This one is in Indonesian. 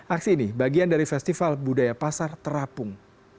aksi ini bagian dari festival budaya pasar terapung